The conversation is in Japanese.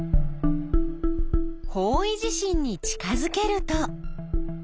方位磁針に近づけると。